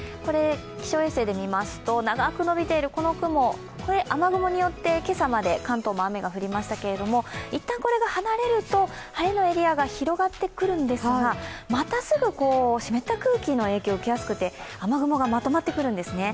気象衛星で見ますと長く伸びているこの雲雨雲によって今朝まで関東も雨が降りましたけれども一旦これが離れると晴れのエリアが広がってくるんですが、またすぐ湿った空気の影響を受けやすくて雨雲がまとまってくるんですね。